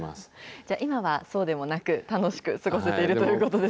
じゃ、今はそうでもなく、楽しく過ごせているということです